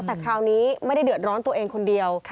แต่คราวนี้ไม่ได้เดือดร้อนตัวเองคนเดียว